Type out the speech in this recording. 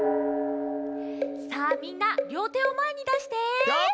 さあみんなりょうてをまえにだして！